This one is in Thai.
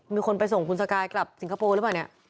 มีคนไปส่งคุณสกายกลับสิงคโปร์หรือเปล่าเนี่ย